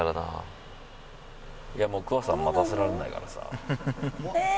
いやもうクワさん待たせられないからさ。